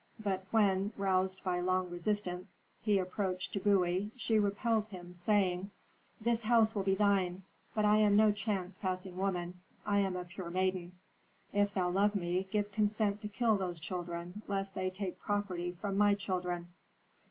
But when, roused by long resistance, he approached Tbubui, she repelled him, saying, "'This house will be thine. But I am no chance passing woman, I am a pure maiden. If thou love me, give consent to kill those children lest they take property from my children.'"